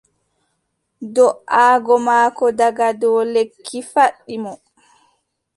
Do"aago maako daga dow lekki faɗɗi mo.